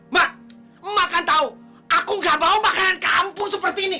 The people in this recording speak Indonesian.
ma makan tahu aku gak mau makanan kampung seperti ini